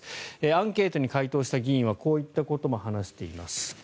アンケートに回答した議員はこういったことも話しています。